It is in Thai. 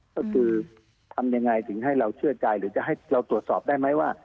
ก็คือทำยังไงถึงให้เราเชื่อใจหรือจะให้เราตรวจสอบได้ไหมว่า